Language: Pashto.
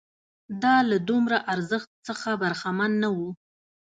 دا له دومره ارزښت څخه برخمن نه وو